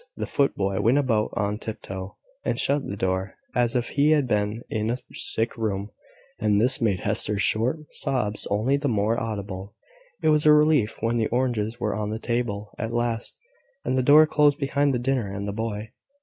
The foot boy went about on tiptoe, and shut the door as if he had been in a sick room; and this made Hester's short sobs only the more audible. It was a relief when the oranges were on the table at last, and the door closed behind the dinner and the boy.